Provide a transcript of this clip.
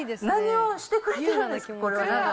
何をしてくれるんですか、これは。